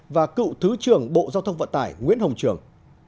và cựu thứ trưởng bộ giao thông vận tải nguyễn hồng trường